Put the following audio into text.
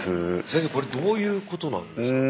先生これどういうことなんですか？